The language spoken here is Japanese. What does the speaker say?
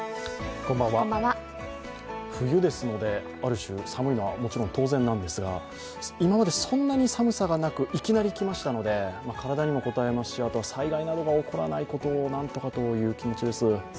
冬ですので、ある種寒いのはもちろん当然なんですが今までそんなに寒さがなく、いきなりきましたので体にもこたえますし、あと、災害など起こらないことを何とかという気持ちです。